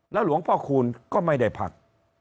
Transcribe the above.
หลวงพ่อคูณก็ไม่ได้พัก